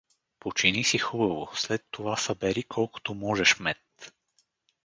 — Почини си хубаво, след това събери колкото можеш мед.